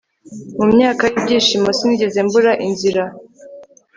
mumyaka yibyishimo sinigeze mbura inzira